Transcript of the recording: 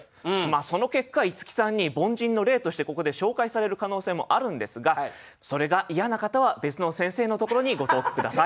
その結果いつきさんに凡人の例としてここで紹介される可能性もあるんですがそれが嫌な方は別の先生のところにご投句下さい。